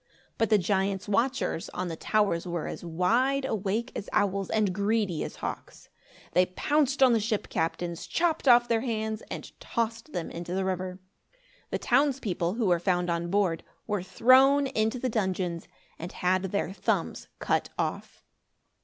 But the giant's watchers, on the towers, were as wide awake as owls and greedy as hawks. They pounced on the ship captains, chopped off their hands and tossed them into the river. The townspeople, who were found on board, were thrown into the dungeons and had their thumbs cut off.